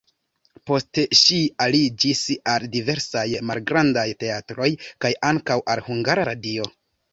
Poste ŝi aliĝis al diversaj malgrandaj teatroj kaj ankaŭ al Hungara Radio.